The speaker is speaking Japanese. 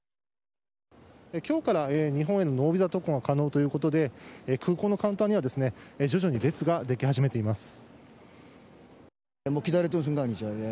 今日から日本へのノービザ渡航が可能ということで空港のカウンターには徐々に列ができ始めています。